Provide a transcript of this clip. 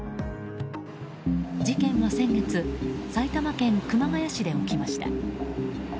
事件は先月埼玉県熊谷市で起きました。